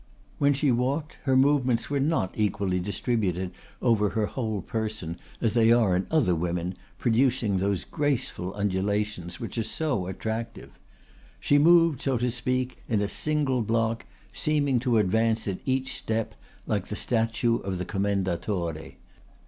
When she walked her movements were not equally distributed over her whole person, as they are in other women, producing those graceful undulations which are so attractive. She moved, so to speak, in a single block, seeming to advance at each step like the statue of the Commendatore.